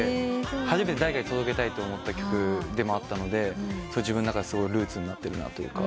初めて誰かに届けたいと思った曲でもあったので自分の中ですごいルーツになってるなと。